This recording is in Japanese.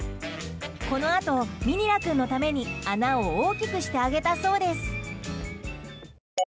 このあと、みにら君のために穴を大きくしてあげたそうです。